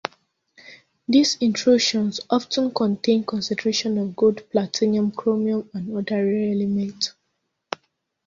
These intrusions often contain concentrations of gold, platinum, chromium and other rare elements.